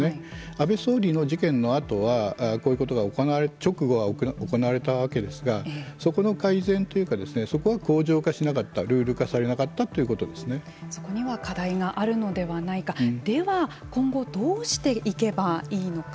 安倍総理の事件のあとはこういうことが直後は行われたわけですがそこの改善というかそこは恒常化しなかったルール化されなかったそこには課題があるのではないかでは、今後どうしていけばいいのか。